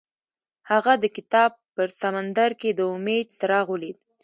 هغه د کتاب په سمندر کې د امید څراغ ولید.